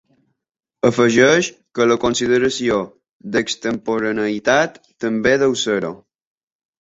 Afegeix que la consideració d’extemporaneïtat també deu ser-ho.